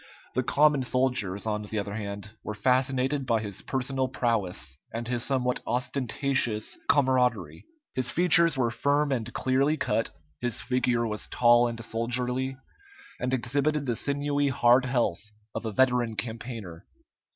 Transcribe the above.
The common soldiers, on the other hand, were fascinated by his personal prowess and his somewhat ostentatious camaraderie. His features were firm and clearly cut; his figure was tall and soldierly, and exhibited the sinewy hard health of a veteran campaigner.